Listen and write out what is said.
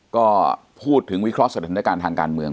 ก็พูดถึงวิเคราะห์สถานการณ์ทางการเมือง